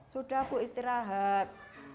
sudah ibu istirahat